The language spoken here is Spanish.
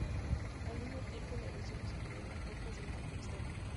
Al mismo tiempo, la erosión descubrió las rocas del manto externo.